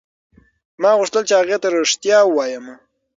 ما غوښتل چې هغې ته رښتیا ووایم.